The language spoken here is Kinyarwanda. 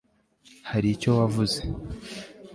hari icyo wavuze